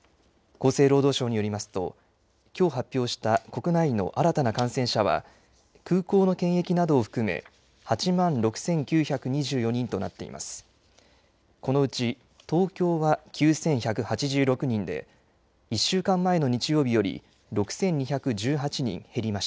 厚生労働省によりますと、きょう発表した国内の新たな感染者は、空港の検疫などを含め、８万６９２４人となっています。